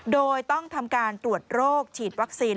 โดยต้องทำการตรวจโรคฉีดวัคซีน